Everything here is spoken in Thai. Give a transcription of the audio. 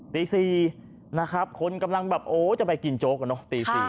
ตี๔นะครับคนกำลังแบบโอ้จะไปกินโจ๊กกันเนอะตี๔